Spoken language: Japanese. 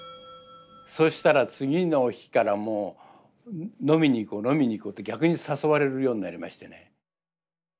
そしたら次の日からもう飲みに行こう飲みに行こうって逆に誘われるようになりましてね。